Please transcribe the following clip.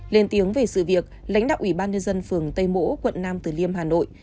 lên tiếng về sự việc lãnh đạo ủy ban nhân dân phường tây mỗ quận nam tử liêm hà nội